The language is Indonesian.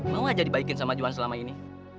mau aja dibaikin sama johan selama ini